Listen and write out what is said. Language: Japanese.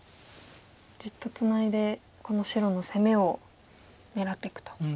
じっとツナいでこの白の攻めを狙っていくと。